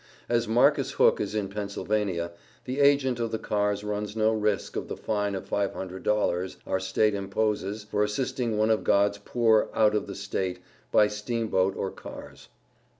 As Marcus Hook is in Pennsylvania, the agent of the cars runs no risk of the fine of five hundred dollars our State imposes for assisting one of God's poor out of the State by steamboat or cars.